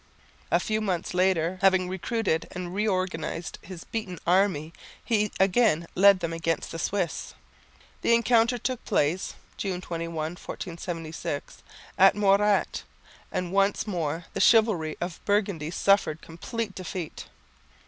A few months later, having recruited and reorganised his beaten army, he again led them against the Swiss. The encounter took place (June 21, 1476) at Morat and once more the chivalry of Burgundy suffered complete defeat.